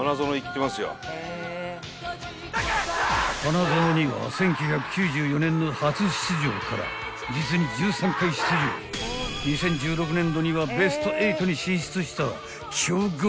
［花園には１９９４年の初出場から実に１３回出場］［２０１６年度にはベスト８に進出した強豪校］